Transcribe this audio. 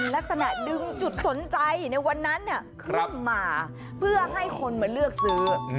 มอลำคลายเสียงมาแล้วมอลำคลายเสียงมาแล้ว